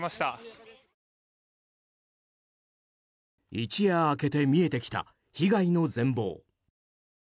一夜明けて見えてきた被害の全貌。